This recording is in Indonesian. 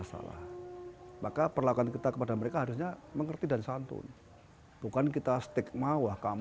saya tidak bisa dilepaskan dari pondok pesan suraya